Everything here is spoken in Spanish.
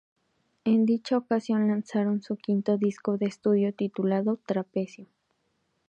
En dicha ocasión lanzaron su quinto disco de estudio titulado Trapecio.